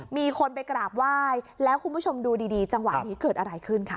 มีคนไปกราบไหว้แล้วคุณผู้ชมดูดีจังหวะนี้เกิดอะไรขึ้นค่ะ